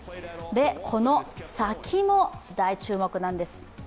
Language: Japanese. このサキも大注目なんです。